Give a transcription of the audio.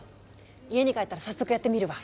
家に帰ったら早速やってみるわ！